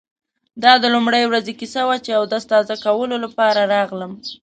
دا د لومړۍ ورځې کیسه وه چې اودس تازه کولو لپاره راغلم.